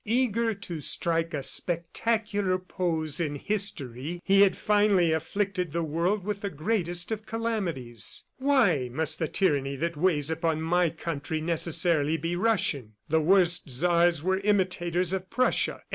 Eager to strike a spectacular pose in history, he had finally afflicted the world with the greatest of calamities. "Why must the tyranny that weighs upon my country necessarily be Russian? The worst Czars were imitators of Prussia.